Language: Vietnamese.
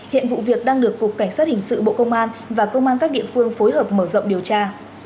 hiện vụ việc đang được cục cảnh sát hình sự bộ công an và công an các địa phương phối hợp mở rộng điều tra